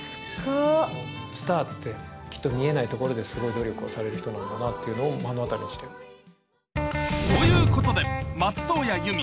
スターってきっと見えないところですごい努力をされる人なんだなっていうのを目の当たりにしてる。ということで松任谷由実